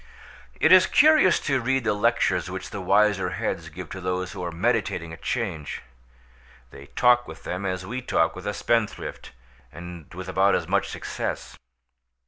It is curious to read the lectures which the wiser heads give to those who are meditating a change. They talk with them as we talk with a spendthrift, and with about as much success.